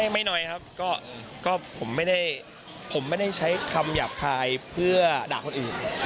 ไม่น้อยครับก็ผมไม่ได้ผมไม่ได้ใช้คำหยาบคายเพื่อด่าคนอื่น